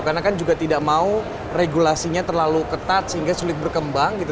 karena kan juga tidak mau regulasinya terlalu ketat sehingga sulit berkembang gitu